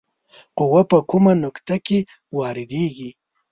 قوه په کومه نقطه کې واردیږي؟